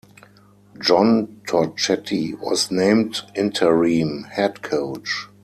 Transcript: John Torchetti was named interim head coach.